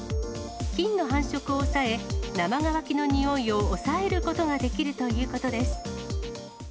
菌の繁殖を抑え、生乾きの臭いを抑えることができるということです。